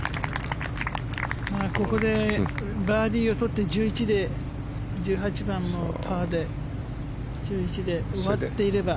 ここでバーディーを取って１１で１８番もパーで１１で終わっていれば。